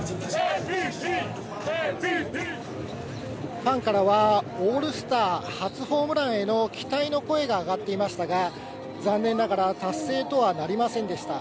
ファンからは、オールスター初ホームランへの期待の声が上がっていましたが、残念ながら達成とはなりませんでした。